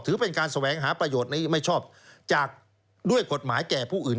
ถือเป็นการแสวงหาประโยชน์ในไม่ชอบจากด้วยกฎหมายแก่ผู้อื่น